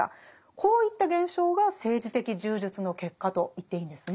こういった現象が政治的柔術の結果と言っていいんですね？